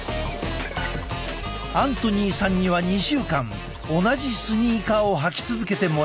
アントニーさんには２週間同じスニーカーを履き続けてもらう。